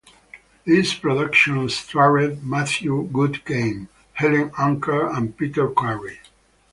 This production starred Matthew Goodgame, Helen Anker and Peter Karrie.